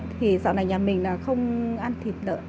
thì sau này nhà mình là không ăn thịt lợn